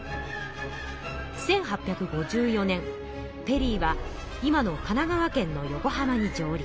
１８５４年ペリーは今の神奈川県の横浜に上陸。